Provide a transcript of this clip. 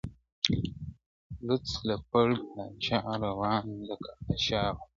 لوڅ لپړ پاچا روان لكه اشا وه٫